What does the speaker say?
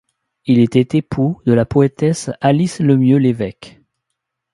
Il était époux de la poétesse Alice Lemieux-Lévesque.